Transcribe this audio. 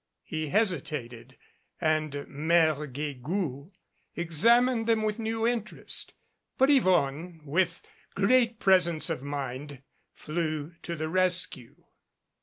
He hesitated and Mere Guegou examined them with new interest, but Yvonne, with great presence of mind, flew to the rescue.